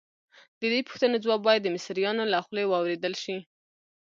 د دې پوښتنو ځواب باید د مصریانو له خولې واورېدل شي.